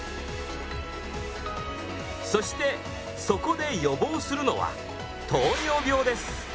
そしてそこで予防するのは糖尿病です。